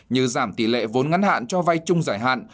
như giảm tỷ lệ vốn ngắn hạn cho vay chung giải hạn